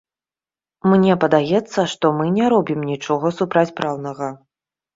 Мне падаецца, што мы не робім нічога супрацьпраўнага.